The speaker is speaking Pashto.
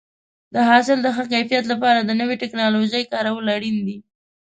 د حاصل د ښه کیفیت لپاره د نوې ټکنالوژۍ کارول اړین دي.